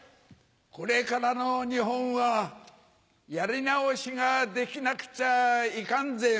これからの日本はやり直しができなくちゃいかんぜよ。